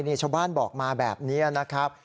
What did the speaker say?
นี่ชาวบ้านบอกมาแบบนี้นะครับ